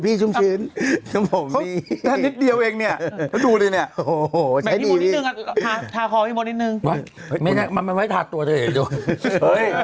ให้ชุ่มชัดพี่เออของก็ดีพี่โอ้โห้เดี๋ยวของก็ดี